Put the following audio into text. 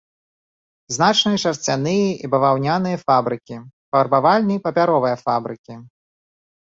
Значныя шарсцяныя і баваўняныя фабрыкі, фарбавальні папяровая фабрыкі.